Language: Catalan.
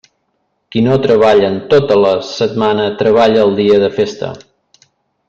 Qui no treballa en tota la setmana, treballa el dia de festa.